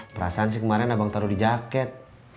perasaan sih kemarin abang taruh di jaket